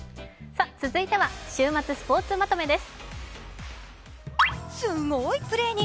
続いては週末スポーツまとめです。